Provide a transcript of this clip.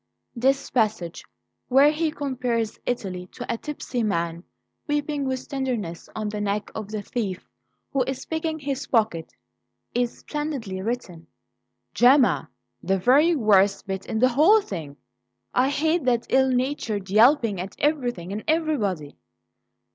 This passage, where he compares Italy to a tipsy man weeping with tenderness on the neck of the thief who is picking his pocket, is splendidly written." "Gemma! The very worst bit in the whole thing! I hate that ill natured yelping at everything and everybody!"